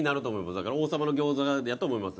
だから王さまの餃子やと思います。